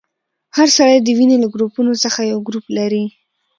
هر سړی د وینې له ګروپونو څخه یو ګروپ لري.